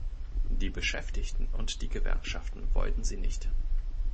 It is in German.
Die Beschäftigten und die Gewerkschaften wollten sie nicht.